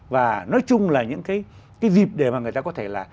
và nói chung là những cái dịp để mà người ta có thể là